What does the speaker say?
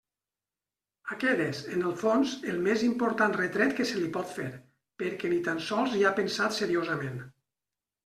Aquest és, en el fons, el més important retret que se li pot fer, perquè ni tan sols hi ha pensat seriosament.